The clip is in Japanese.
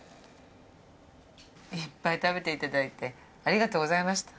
いっぱい食べていただいてありがとうございました。